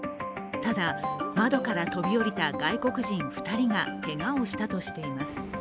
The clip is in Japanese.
ただ、窓から飛び降りた外国人２人がけがをしたとしています。